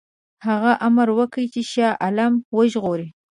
هغه امر وکړ چې شاه عالم وژغوري.